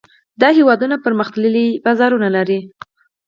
دا هېوادونه پرمختللي بازارونه لري.